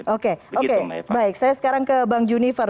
oke baik saya sekarang ke bang juniver